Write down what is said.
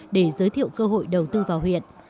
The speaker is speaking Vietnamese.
để giới thiệu cơ hội đầu tư vào huyện